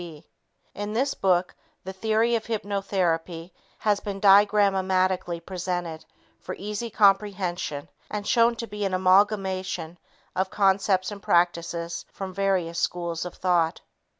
D. In this book, the theory of hypnotherapy has been diagramatically presented for easy comprehension and shown to be an amalgamation of concepts and practices from various schools of thought.